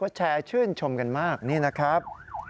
เขาแชร์ชื่นชมกันมากนี่นะครับ